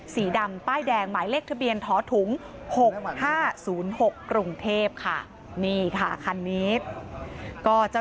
สีดำป้ายแดงหมายเลขทะเบียนท้อถุง๖๕๐๖กรุงเทพฯค่ะ